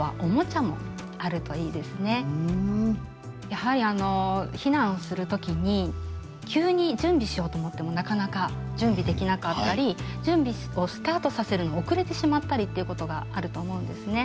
やはり避難をする時に急に準備しようと思ってもなかなか準備できなかったり準備をスタートさせるの遅れてしまったりっていうことがあると思うんですね。